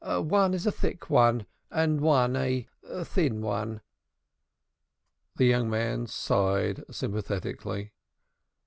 One is a thick one, and one a thin one." The young man sighed sympathetically.